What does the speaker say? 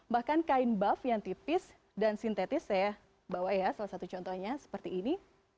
bahkan kain buff yang tipis dan sintetis saya bawa ya salah satu contohnya seperti ini